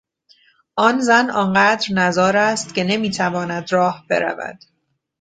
آن زن آنقدر نزار است که نمیتواند راه برود.